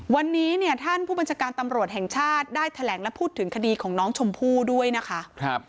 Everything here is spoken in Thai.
วันนี้เนี่ยท่านผู้บัญชาการตำรวจแห่งชาติได้แถลงและพูดถึงคดีของน้องชมพู่ด้วยนะคะ